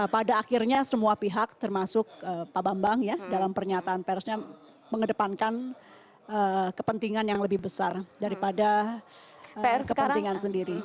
pada akhirnya semua pihak termasuk pak bambang ya dalam pernyataan persnya mengedepankan kepentingan yang lebih besar daripada kepentingan sendiri